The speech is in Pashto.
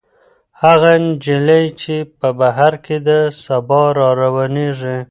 هغه نجلۍ چې په بهر کې ده، سبا راروانېږي.